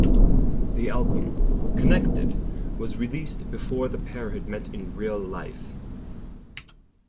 The album, "Connected", was released before the pair had met in real life.